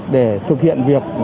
để thực hiện việc